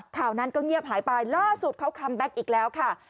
ข่าวนั้นก็เงียบหายไปล่าสุดเขาคัมแบ็คอีกแล้วค่ะ